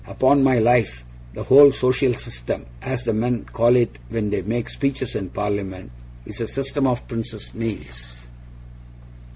Upon my life, "the whole social system" (as the men call it when they make speeches in Parliament) is a system of Prince's nails!